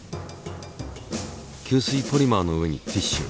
吸水ポリマーの上にティッシュ。